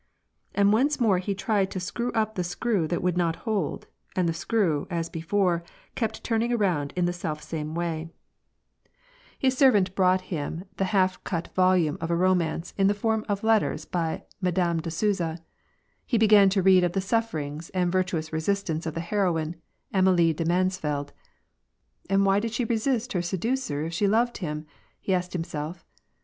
And once more he tried to screw up the screw that would not hold, and the screw, as before, kept turning around in the selfisame way. 68 WAR AND PEACE. His servant brought him the half cut volume of a romance, in the form of letters by Madame de Souza. He began to lead of the sufferings and virtuous resistance of the heroine, Am^lie de Mansf eld. " And why did she resist her seducer if she loved him ?" he asked himself.